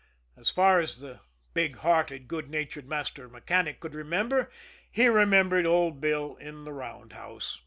As far back as the big hearted, good natured master mechanic could remember, he remembered old Bill in the roundhouse.